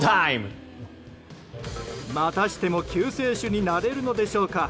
またしても救世主になれるのでしょうか。